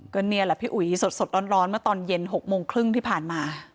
ก็นี่แหละพี่อุ๋ยสดร้อนเมื่อตอนเย็น๖โมงครึ่งที่ผ่านมา